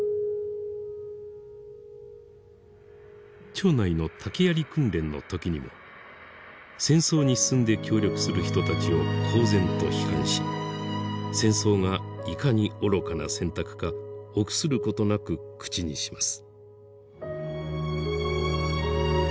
町内の竹ヤリ訓練の時にも戦争に進んで協力する人たちを公然と批判し戦争がいかに愚かな選択か臆することなく口にします。